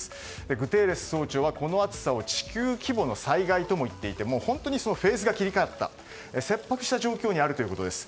グテーレス事務総長はこの暑さを地球規模の災害とも言っていて本当にフェーズが切り替わった切迫した状況にあるということです。